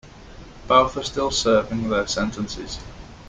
Both are still serving their sentences.